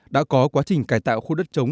đã có quá trình cài tạo khu đất trống